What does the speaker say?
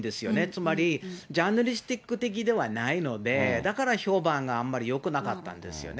つまり、ジャーナリスティック的ではないので、だから評判があまりよくなかったんですよね。